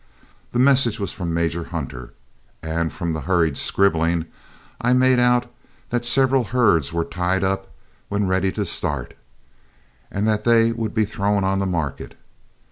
The message was from Major Hunter, and from the hurried scribbling I made out that several herds were tied up when ready to start, and that they would be thrown on the market.